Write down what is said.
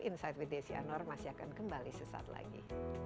insight with desi anwar masih akan kembali sesaat lagi